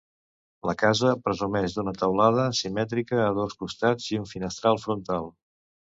La casa presumeix d'una teulada simètrica de dos costats i un finestral frontal.